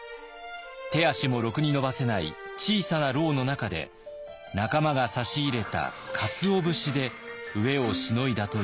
手足もろくに伸ばせない小さな牢の中で仲間が差し入れたかつお節で飢えをしのいだといいます。